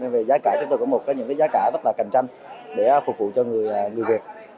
về giá cả chúng tôi cũng có những giá cả rất là cạnh tranh để phục vụ cho người việt